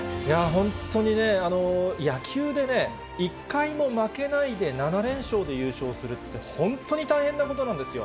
本当に野球でね、１回も負けないで７連勝で優勝するって本当に大変なことなんですよ。